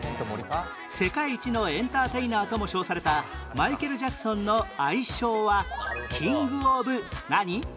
世界一のエンターテイナーとも称されたマイケル・ジャクソンの愛称はキング・オブ・何？